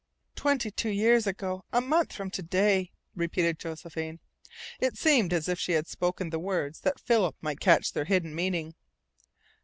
"Twenty two years ago A MONTH FROM TO DAY!" repeated Josephine. It seemed as if she had spoken the words that Philip might catch their hidden meaning.